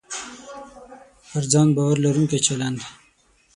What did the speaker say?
پر ځان باور لرونکی چلند